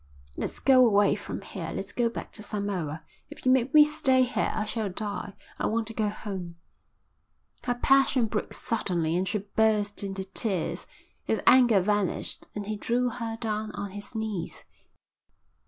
"Let's go away from here. Let's go back to Samoa. If you make me stay here I shall die. I want to go home." Her passion broke suddenly and she burst into tears. His anger vanished and he drew her down on his knees.